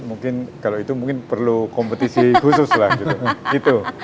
mungkin kalau itu mungkin perlu kompetisi khusus lah gitu